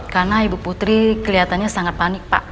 karena ibu putri kelihatannya sangat panik pak